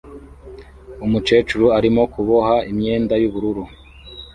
Umukecuru arimo kuboha imyenda y'ubururu